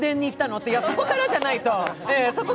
ってここからじゃないと。